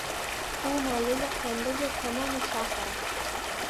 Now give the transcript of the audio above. او مایهی خندهی تمام شهر است.